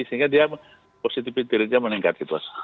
sehingga positivity rate nya meningkat